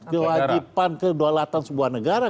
kewajipan kedualatan sebuah negara